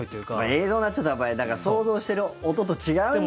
映像になっちゃった場合想像してる音と違うんじゃ。